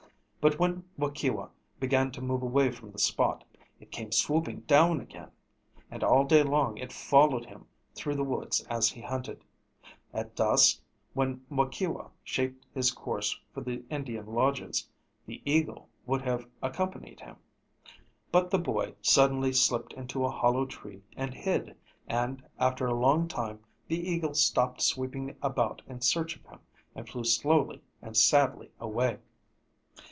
But when Waukewa began to move away from the spot, it came swooping down again; and all day long it followed him through the woods as he hunted. At dusk, when Waukewa shaped his course for the Indian lodges, the eagle would have accompanied him. But the boy suddenly slipped into a hollow tree and hid, and after a long time the eagle stopped sweeping about in search of him and flew slowly and sadly away.